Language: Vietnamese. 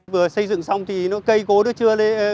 vừa xây dựng xong thì cây cố được chưa